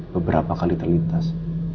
beberapa kali terlintas